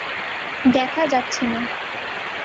দেখা যাচ্ছে না।